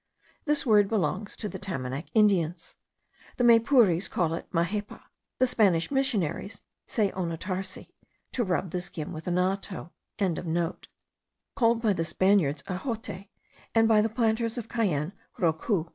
This word belongs to the Tamanac Indians. The Maypures call it majepa. The Spanish missionaries say onotarse, to rub the skin with anato.) called by the Spaniards achote, and by the planters of Cayenne, rocou.